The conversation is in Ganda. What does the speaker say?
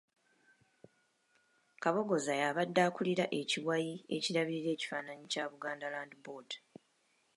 Kabogoza y'abadde akulira ekiwayi ekirabirira ekifaananyi kya Buganda Land Board.